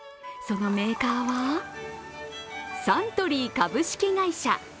そのメーカーはサントリー株式会社。